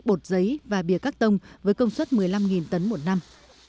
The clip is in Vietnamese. bột giấy và bìa cắt tông với công suất một mươi năm tấn một năm